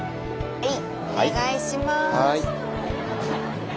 はい。